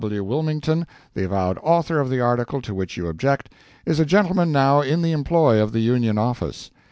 W. Wilmington, the avowed author of the article to which you object, is a gentleman now in the employ of the Union office.